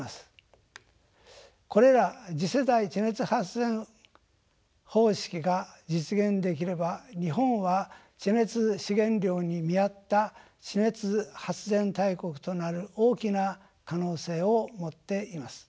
これら次世代地熱発電方式が実現できれば日本は地熱資源量に見合った地熱発電大国となる大きな可能性を持っています。